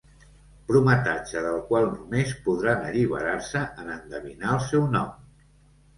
Prometatge del qual només podrà alliberar-se en endevinar el seu nom.